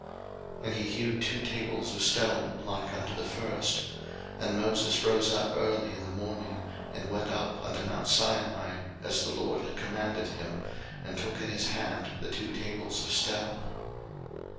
02:034:004 And he hewed two tables of stone like unto the first; and Moses rose up early in the morning, and went up unto mount Sinai, as the LORD had commanded him, and took in his hand the two tables of stone.